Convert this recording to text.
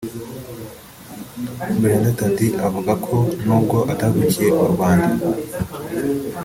Brenda Thandi avuga ko n’ubwo atavukiye mu Rwanda